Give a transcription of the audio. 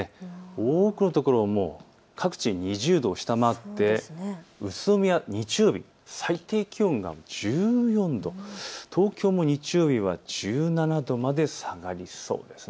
多くの所、各地、２０度を下回って宇都宮は日曜日、最低気温が１４度、東京も日曜日は１７度まで下がりそうです。